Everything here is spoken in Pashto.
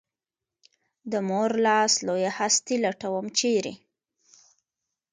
د مور لاس لویه هستي لټوم ، چېرې؟